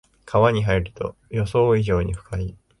川に入ると予想以上に深い